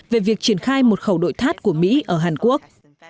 về việc triển khai một khẩu đội tháp của mỹ ở hàn quốc